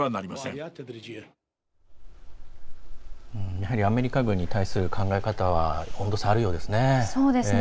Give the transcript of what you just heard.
やはりアメリカ軍に対する考え方は温度差があるようですね。